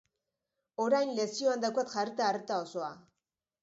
Orain lesioan daukat jarrita arreta osoa.